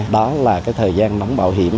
đó là thời gian đóng bảo hiểm